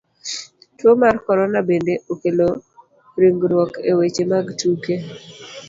Tuo mar korona bende, okelo ringruok e weche mag tuke.